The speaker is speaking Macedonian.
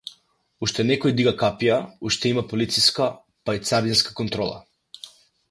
Уште некој дига капија, уште има полициска, па и царинска контрола.